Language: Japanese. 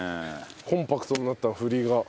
コンパクトになった振りが。